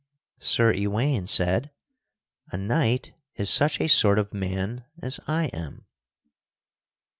Sir Ewaine said, "A knight is such a sort of man as I am."